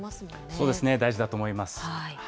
そうですね、大事だと思います。